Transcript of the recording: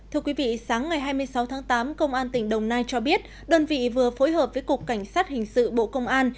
thưa quý vị sáng ngày hai mươi sáu tháng tám công an tỉnh đồng nai cho biết đơn vị vừa phối hợp với cục cảnh sát hình sự bộ công an